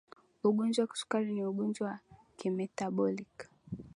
ugonjwa wa kisukari ni ugonjwa wa kimetaboliki